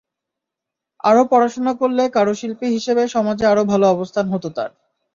আরও পড়াশোনা করলে কারুশিল্পী হিসেবে সমাজে আরও ভালো অবস্থান হতো তাঁর।